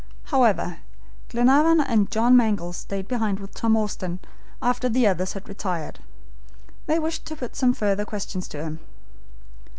However, Glenarvan and John Mangles stayed behind with Tom Austin after the others had retired. They wished to put some further questions to him.